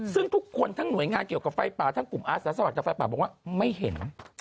ซึ่งทุกคนทั้งหน่วยงานเกี่ยวกับไฟป่าทั้งกลุ่มอาสาสมัครกับไฟป่าบอกว่าไม่เห็น